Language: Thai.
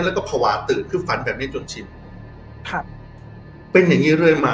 แล้วก็ภาวะตื่นคือฝันแบบนี้จนชินครับเป็นอย่างงี้เรื่อยมา